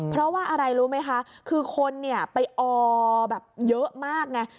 เพราะว่าอะไรรู้ไหมคะคือคนเนี่ยไปออแบบเยอะมากไง